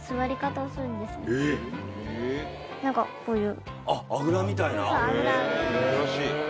何かこういう。